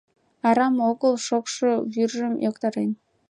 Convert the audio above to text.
Арам огыл, шокшо вӱржым йоктарен